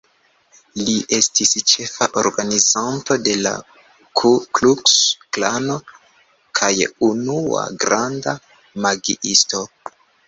Li estis ĉefa organizanto de la Ku-Kluks-Klano kaj unua „granda magiisto”.